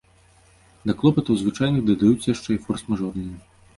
Да клопатаў звычайных дадаюцца яшчэ і форс-мажорныя.